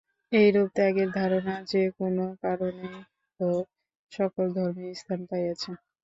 এইরূপ ত্যাগের ধারণা যে-কোন আকারেই হউক, সকল ধর্মেই স্থান পাইয়াছে।